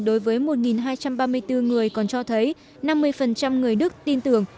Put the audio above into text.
đối với một hai trăm ba mươi bốn người còn cho thấy năm mươi người đức tin tưởng